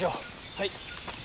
はい。